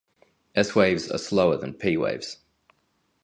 S-waves are slower than P-waves.